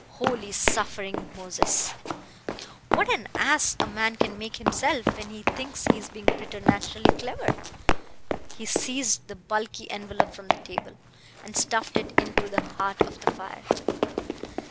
Holy, suffering Moses! What an ass a man can make of himself when he thinks he's being preternaturally clever!" He seized the bulky envelop from the table, and stuffed it into the heart of the fire.